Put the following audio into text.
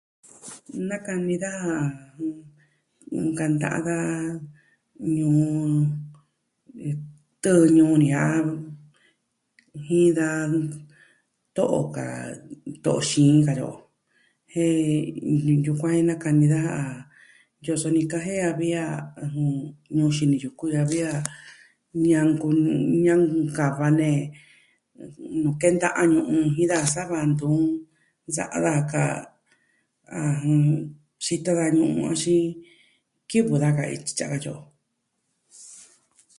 Nakani daja... nkanta da ñuu tɨɨn ñuu ni a jin da... to'o ka to'o xiin katyi o. Jen yukuan jen nakani daja yosonikaje a vi a... ɨjɨn... nuu xini yuku a vi a ñanku'u nuu ñanku'u va nee... nkenta'an ñu'un jin da sava ntɨɨn, nsa'a daja ka... ɨjɨn... xito da nuu axin kivɨ daja ka ityi tyi a katyi o.